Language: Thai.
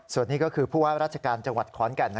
ส่วนนี้ก็คือผู้ว่าราชการจังหวัดขอนแก่น